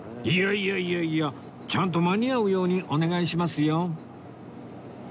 いやいやいやいやちゃんと間に合うようにお願いしますよ